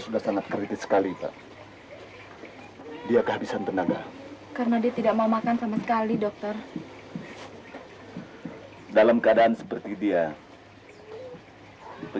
jangan lupa pak